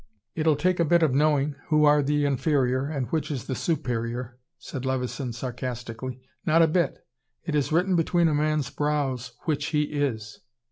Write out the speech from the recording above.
"It'll take a bit of knowing, who are the inferior and which is the superior," said Levison sarcastically. "Not a bit. It is written between a man's brows, which he is."